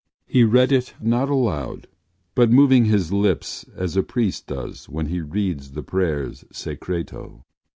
He read it not aloud, but moving his lips as a priest does when he reads the prayers Secreto.